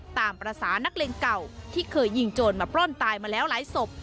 ตามภาษานักเลงเก่าที่เคยยิงโจรมาปล้นตายมาแล้วหลายศพ